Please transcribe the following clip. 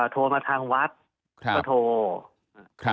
โทรมาทางวัดก็โทร